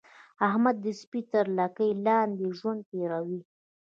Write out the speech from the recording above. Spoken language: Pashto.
احمد د سپي تر لګۍ لاندې ژوند تېروي.